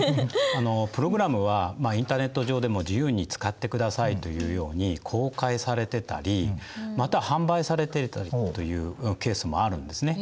プログラムはインターネット上でも自由に使ってくださいというように公開されてたりまたは販売されてたりというケースもあるんですね。